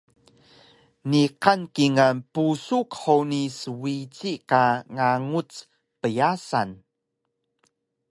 Niqan kingal pusu qhuni swiji ka nganguc pyasan